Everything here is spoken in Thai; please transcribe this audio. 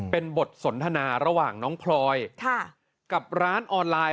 เป็นบทสนทนาระหว่างน้องพลอยกับร้านออนไลน์